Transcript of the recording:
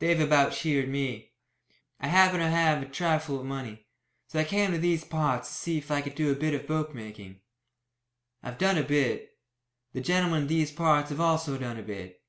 They've about sheared me. I happened to have a trifle of money, so I came to these parts to see if I could do a bit of bookmaking. I've done a bit. The gentlemen in these parts have also done a bit.